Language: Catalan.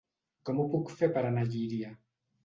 Com ho puc fer per anar a Llíria?